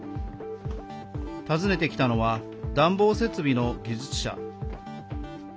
訪ねてきたのは暖房設備の技術者。